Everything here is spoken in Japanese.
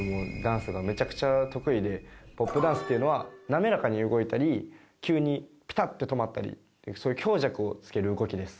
ポップダンスっていうのは滑らかに動いたり急にピタッて止まったりそういう強弱をつける動きです。